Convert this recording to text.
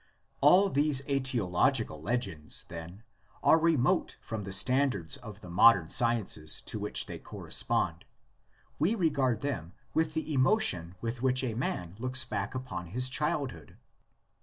All these aetiological legends, then, are remote from the standards of the modern sciences to which they correspond; we regard them with the emotion with which a man looks back upon his childhood.